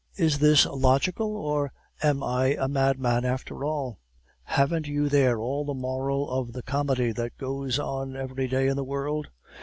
Is this logical, or am I a madman after all? Haven't you there all the moral of the comedy that goes on every day in this world?...